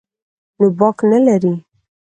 نو باک نه لري.